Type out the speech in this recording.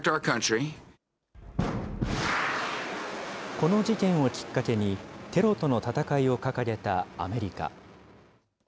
この事件をきっかけに、テロとの戦いを掲げたアメリカ。